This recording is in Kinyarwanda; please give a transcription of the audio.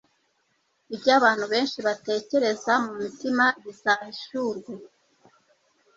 ibyo_abantu benshi batekereza mu mutima bizahishurwe.»